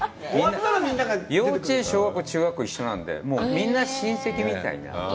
幼稚園、小学校、中学校が一緒なんで、もうみんな親戚みたいな。